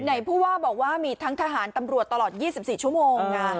ผู้ว่าบอกว่ามีทั้งทหารตำรวจตลอด๒๔ชั่วโมง